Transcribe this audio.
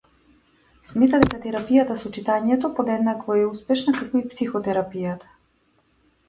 Смета дека терапијата со читање подеднакво е успешна како и психотерапијата.